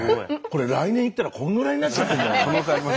これ来年行ったらこのぐらいになっちゃってるんじゃないの？